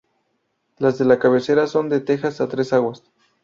Las de la cabecera son de tejas a tres aguas.